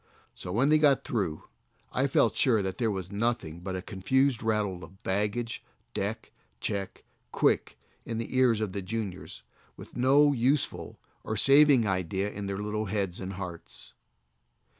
So when he got through I felt sure that there was nothing but a confused rattle of "bag gage, deck, check, quick," in the ears of the juniors, with no useful or saving idea in their little heads and hearts.